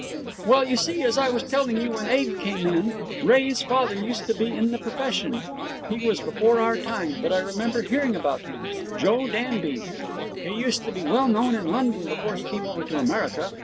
'Well, you see, as I was telling you when Abe came in, Ray's father used to be in the profession. He was before our time, but I remember hearing about him Joe Danby. He used to be well known in London before he came over to America.